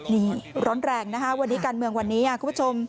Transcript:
นี่ร้อนแรงนะคะวันนี้การเมืองวันนี้คุณผู้ชม